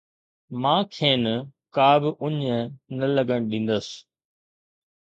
مان کين ڪا به اڃ نه لڳڻ ڏيندس